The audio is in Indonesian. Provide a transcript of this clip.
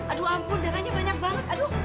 aduh ampun darahnya banyak banget